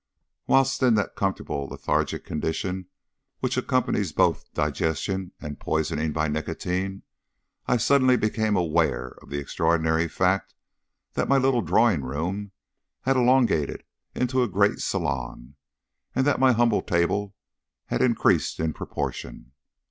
Whilst in that comfortable lethargic condition which accompanies both digestion and poisoning by nicotine, I suddenly became aware of the extraordinary fact that my little drawing room had elongated into a great salon, and that my humble table had increased in proportion.